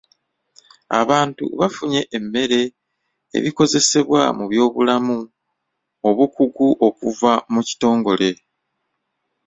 Abantu bafunye emmere, ebikozesebwa mu by'obulamu, obukugu okuva mu kitongole.